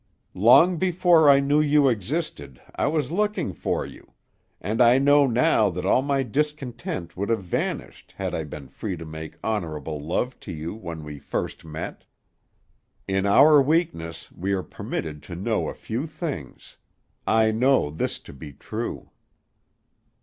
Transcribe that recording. Long before I knew you existed I was looking for you; and I know now that all my discontent would have vanished had I been free to make honorable love to you when we first met. In our weakness we are permitted to know a few things; I know this to be true."